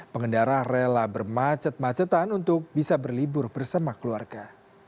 pengendara rela bermacet macetan untuk bisa berlibur bersama keluarga